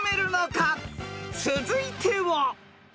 ［続いては］